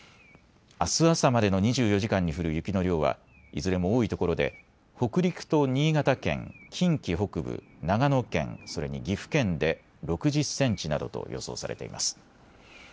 あす朝までの２４時間に降る雪の量はいずれも多いところで北陸と新潟県、近畿北部、長野県、それに岐阜県で６０センチなどと予想されています。